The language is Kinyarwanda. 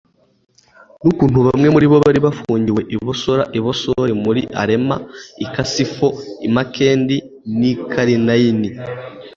n'ukuntu bamwe muri bo bari bafungiwe i bosora, i bosori, muri alema, i kasifo, i makedi n'i karinayini